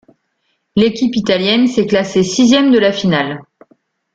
L'équipe italienne s'est classée sixième de la finale.